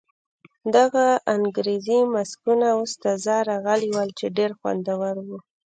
دغه انګریزي ماسکونه اوس تازه راغلي ول چې ډېر خوندور وو.